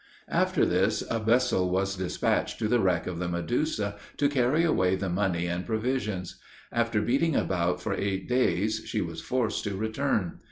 After this, a vessel was dispatched to the wreck of the Medusa, to carry away the money and provisions; after beating about for eight days, she was forced to return.